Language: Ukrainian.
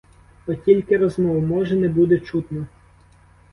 От тільки розмов, може, не буде чутно?